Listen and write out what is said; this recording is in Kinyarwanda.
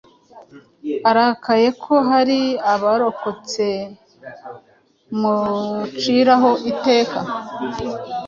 arakaye ko hari abarokotseamuciraho iteka